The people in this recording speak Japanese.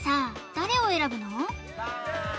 誰を選ぶの？